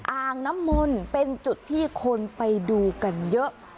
อ่างน้ำมนต์เป็นจุดที่คนไปดูกันเยอะ